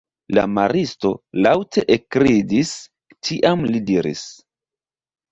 La maristo laŭte ekridis, tiam li diris: